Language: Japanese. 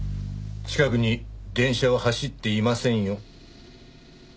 近くに電車は走っていませんよ。